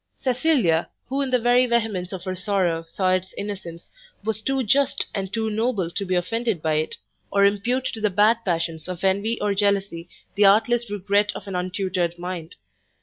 Cecilia, who in the very vehemence of her sorrow saw its innocence, was too just and too noble to be offended by it, or impute to the bad passions of envy or jealousy, the artless regret of an untutored mind.